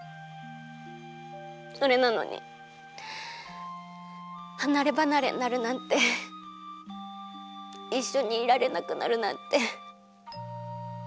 それなのにはなればなれになるなんていっしょにいられなくなるなんて。